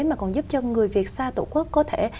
mà còn giúp cho người việt xa tổ quốc có thể